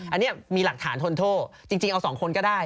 อันนี้มีหลักฐานทนโทษจริงเอา๒คนก็ได้